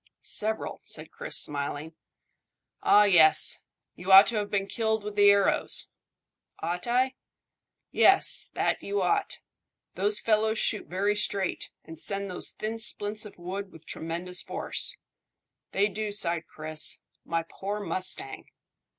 "Several," said Chris, smiling. "Ah! Yes! You ought to have been killed with the arrows." "Ought I?" "Yes, that you ought. Those fellows shoot very straight, and send those thin splints of wood with tremendous force." "They do," sighed Chris. "My poor mustang!"